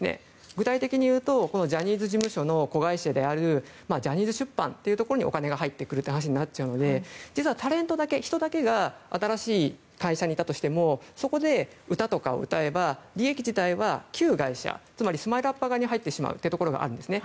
具体的に言うとジャニーズ事務所の子会社であるジャニーズ出版というところにお金が入るという話になっちゃうので実は、タレントだけ、人だけが新しい会社にいたとしてもそこで歌とかを歌えば利益自体は旧会社、つまりＳＭＩＬＥ‐ＵＰ．側に入ってしまうというのがあるんですね。